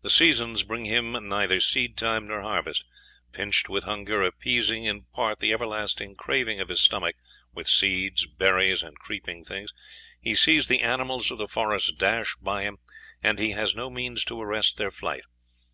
The seasons bring him neither seed time nor harvest; pinched with hunger, appeasing in part the everlasting craving of his stomach with seeds, berries, and creeping things, he sees the animals of the forest dash by him, and he has no means to arrest their flight.